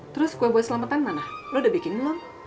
terus gue buat selamatan mana lu udah bikin belum